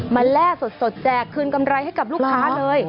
แร่สดแจกคืนกำไรให้กับลูกค้าเลย